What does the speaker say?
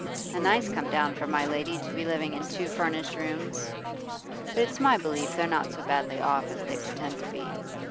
A nice come down for my lady, to be living in two furnished rooms! But it's my belief they're not so badly off as they pretend to be.